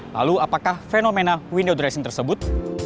lalu apakah fenomena window dressing tersebut